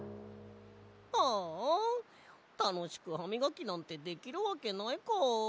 はあたのしくハミガキなんてできるわけないか。